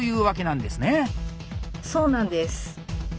そうなんです。